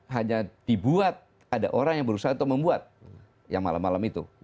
hanya dibuat ada orang yang berusaha untuk membuat yang malam malam itu